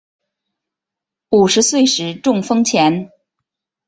五十岁时中风前